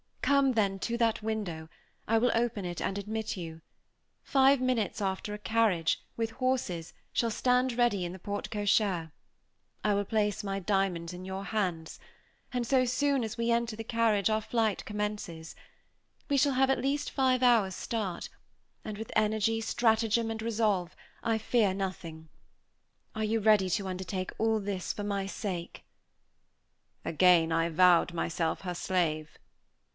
Come, then, to that window; I will open it and admit you. Five minutes after a carriage carriage, with four horses, shall stand ready in the porte cochère. I will place my diamonds in your hands; and so soon as we enter the carriage our flight commences. We shall have at least five hours' start; and with energy, stratagem, and resource, I fear nothing. Are you ready to undertake all this for my sake?" Again I vowed myself her slave.